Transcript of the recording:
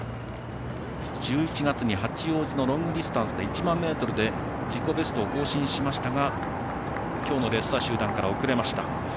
１１月に八王子のロングディスタンスで１００００ｍで自己ベストを更新しましたが今日のレースは集団から遅れました。